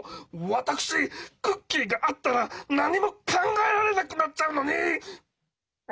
私クッキーがあったら何も考えられなくなっちゃうのに！